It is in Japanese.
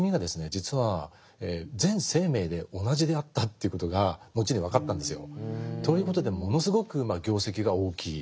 実は全生命で同じであったということが後に分かったんですよ。ということでものすごく業績が大きい。